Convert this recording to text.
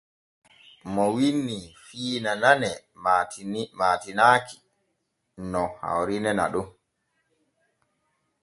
MO wiinnii fiina nane maatinaki no hawriine naɗon.